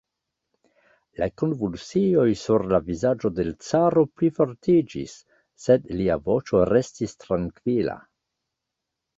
La konvulsioj sur la vizaĝo de l' caro plifortiĝis, sed lia voĉo restis trankvila.